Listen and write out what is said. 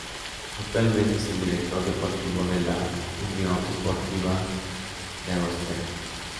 Actualmente es el director deportivo de la Unió Esportiva Llagostera.